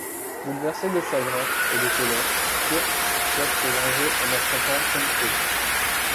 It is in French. Bouleversé de chagrin et de colère, Kurt souhaite se venger en affrontant Tong Pô.